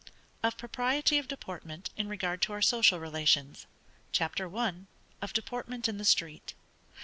OF PROPRIETY OF DEPORTMENT IN REGARD TO OUR SOCIAL RELATIONS. CHAPTER I. _Of Deportment in the Street.